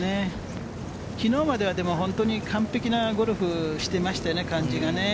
きのうまでは本当に完璧なゴルフをしてましたよね、感じがね。